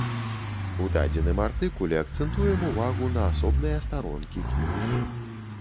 У дадзеным артыкуле акцэнтуем увагу на асобныя старонкі кнігі.